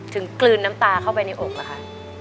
กลืนน้ำตาเข้าไปในอกอะค่ะ